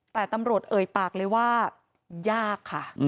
แต่ตำรวจเอ่ยปากเลยว่ายากค่ะ